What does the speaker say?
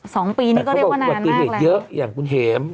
สองปีนี่ก็เรียกว่านานมากแล้วแต่เขาก็ปกติเหตุเยอะอย่างคุณเหม